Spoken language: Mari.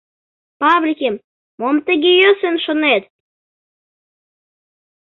Павликем, мом тыге йӧсын шонет?